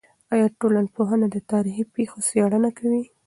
آیا ټولنپوهنه د تاریخي پېښو څېړنه کوي؟